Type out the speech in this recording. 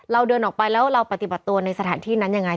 เดินออกไปแล้วเราปฏิบัติตัวในสถานที่นั้นยังไง